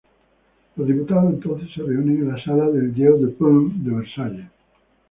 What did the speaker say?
Los diputados entonces se reunieron en la sala del "jeu de paume" de Versalles.